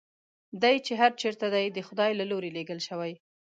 دی چې هر چېرته دی د خدای له لوري لېږل شوی.